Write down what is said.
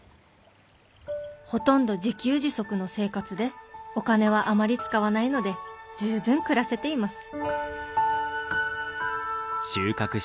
「ほとんど自給自足の生活でお金はあまり使わないので十分暮らせています」。